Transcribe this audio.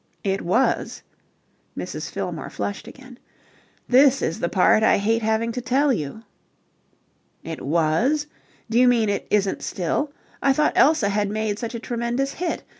"It was." Mrs. Fillmore flushed again. "This is the part I hate having to tell you." "It was? Do you mean it isn't still? I thought Elsa had made such a tremendous hit.